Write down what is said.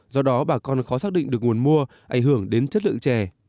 do đó bà con khó xác định được nguồn mua ảnh hưởng đến chất lượng chè